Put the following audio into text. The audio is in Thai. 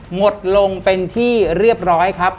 หมดลงเป็นที่เรียบร้อยครับ